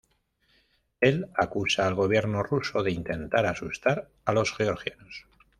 Él acusa al gobierno ruso de intentar asustar a los georgianos.